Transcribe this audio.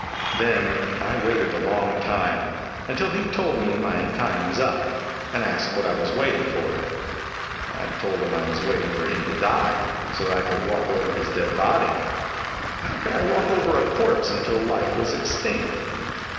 Then I waited a long time, until he told me my time was up, and asked what I was waiting for. I told him I was waiting for him to die, so that I could walk over his dead body. How could I walk over a corpse until life was extinct?